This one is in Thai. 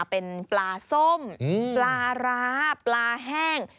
เป็นปลาส้มปลาร้าปลาแห้ง